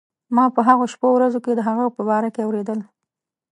ما په هغو شپو ورځو کې د هغه په باره کې اورېدل.